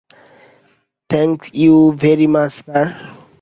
Thank you very much sir.